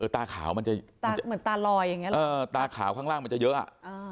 ตาขาวมันจะตาเหมือนตาลอยอย่างเงี้หรอตาขาวข้างล่างมันจะเยอะอ่ะ